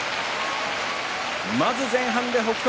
まず前半で北勝